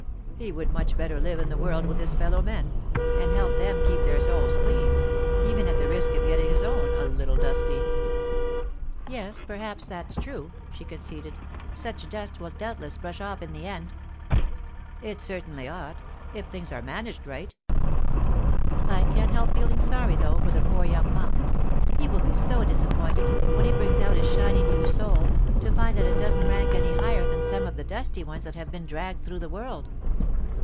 He would much better live in the world with his fellow men, and help them keep their souls clean, even at the risk of getting his own a little dusty.' 'Yes, perhaps that's true,' she conceded. 'Such dust will doubtless brush off in the end.' 'It certainly ought, if things are managed right.' 'I can't help feeling sorry, though, for the poor young monk; he will be so disappointed, when he brings out his shiny new soul, to find that it doesn't rank any higher than some of the dusty ones that have been dragged through the world.